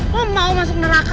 lo mau masuk neraka